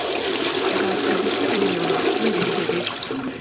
Yahatiwe gusubira inyuma kubera ibihe bibi.